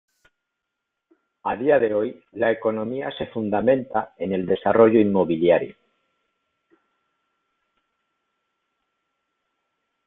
A día de hoy, la economía se fundamenta en el desarrollo inmobiliario.